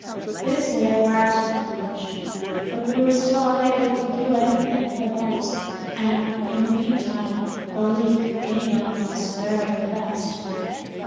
This we at last accomplished—but we were still unable to do any thing at the pumps; and, in the meantime, the leak gained on us very fast.